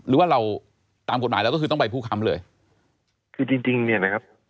หรือว่าเราตามกฎหมายแล้วก็คือต้องไปผู้ค้ำเลยคือจริงจริงเนี่ยนะครับ